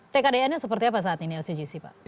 tkdn nya seperti apa saat ini lcgc pak